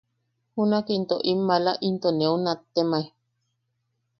Junak into nim maala, “¿into neu nattemae?”